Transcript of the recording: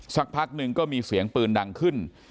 สักพักหนึ่งก็มีเสียงปืนดังขึ้น